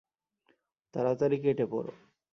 তাড়াতাড়ি কেটে পড়!